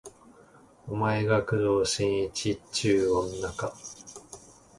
お前が工藤新一っちゅう女か